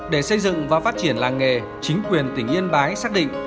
để xây dựng và phát triển làng nghề chính quyền tỉnh yên bái xác định